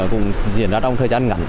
cũng diễn ra trong thời gian ngắn